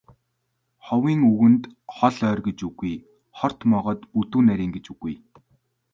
Ховын үгэнд хол ойр гэж үгүй, хорт могойд бүдүүн нарийн гэж үгүй.